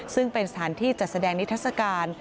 ซึ่งเป็นสถานที่จัดแสดงนิทัศกาล